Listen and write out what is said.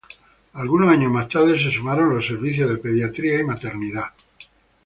Algunos años más tarde se sumaron los servicios de pediatría y maternidad.